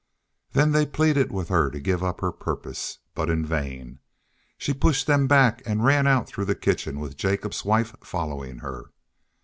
Then they pleaded with her to give up her purpose. But in vain! She pushed them back and ran out through the kitchen with Jacobs's wife following her.